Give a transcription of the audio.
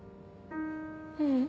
ううん。